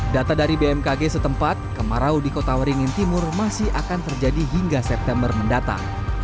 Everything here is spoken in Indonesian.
data dari bmkg setempat kemarau di kota waringin timur masih akan terjadi hingga september mendatang